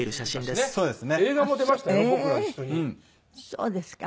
そうですか。